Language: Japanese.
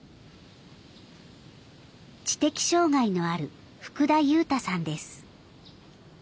知的障害のある福田悠太さんです。